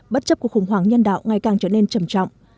bất chấp cuộc khủng hoảng nhân đạo ngày càng trở nên trầm trọng